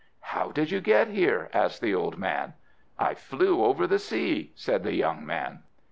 "How did you get here?" asked the old man. "I flew over the sea," said the young man.